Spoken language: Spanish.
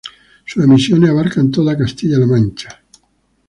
Sus emisiones abarcan toda Castilla La Mancha.